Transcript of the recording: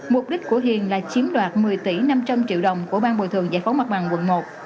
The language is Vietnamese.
mục đích của hiền là chiếm đoạt một mươi tỷ năm trăm linh triệu đồng của ban bồi thường giải phóng mặt bằng quận một